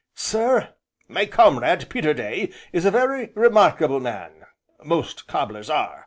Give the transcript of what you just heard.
Sir, my comrade Peterday is a very remarkable man, most cobblers are.